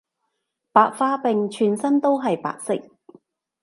白化病全身都係白色